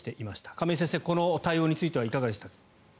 亀井先生、この対応についてはいかがですか。